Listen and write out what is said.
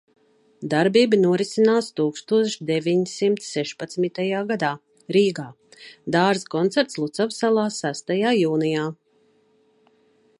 Darbība norisinās tūkstoš deviņsimt sešpadsmitajā gadā, Rīgā. Dārza koncerts Lucavsalā sestajā jūnijā